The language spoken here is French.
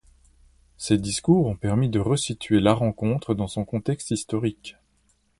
Ces discours ont permis de resituer la rencontre dans son contexte historique.